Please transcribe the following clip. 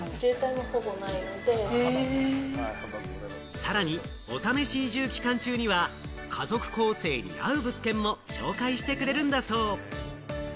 さらにお試し移住期間中には、家族構成に合う物件も紹介してくれるんだそう。